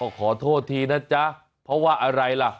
ขอโทษทีนะจ๊ะเพราะว่าอะไรล่ะ